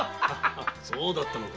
そうだったのか。